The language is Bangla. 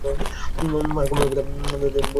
মার কোমরে ব্যথা বলে দেখতে আসতে পারে না।